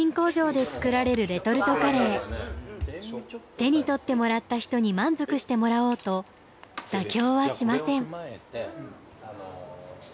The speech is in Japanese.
手に取ってもらった人に満足してもらおうと妥協はしません。